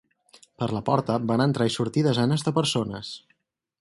Per la porta van entrar i sortir desenes de persones.